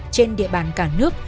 trên địa bàn cả nước